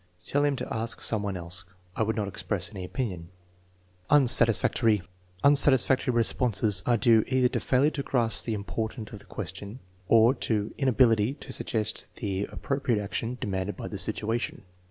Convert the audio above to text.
"Tell him to ask someone else." "I would not express any opinion." Unsatisfactory. Unsatisfactory responses are due either to fail ure to grasp the import of the question, or to inability to suggest the appropriate action demanded by the situation.